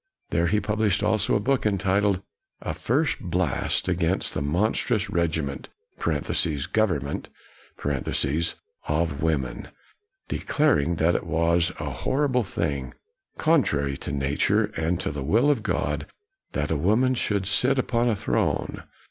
There he published also a book entitled " A First Blast Against the Monstrous Regiment [ Government] of Women," declaring that it was a hor rible thing, contrary to Nature and to the will of God that a woman should sit upon a throne.